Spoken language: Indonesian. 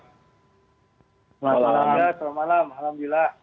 selamat malam alhamdulillah